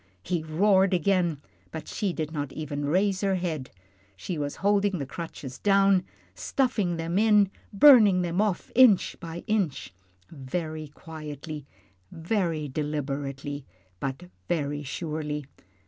He roared again, but she did not even raise her head. She was holding the crutches down, stuffing them in, burning them off inch by inch very quietly, very deliberately, but very surely.